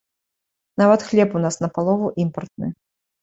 Нават хлеб у нас напалову імпартны.